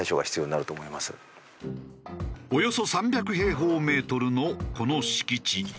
およそ３００平方メートルのこの敷地。